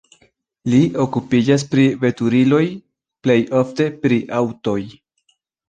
Li okupiĝas pri veturiloj, plej ofte pri aŭtoj.